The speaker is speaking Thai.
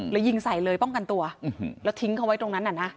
ยิงใส่เลยป้องกันตัวแล้วทิ้งเขาไว้ตรงนั้นน่ะนะ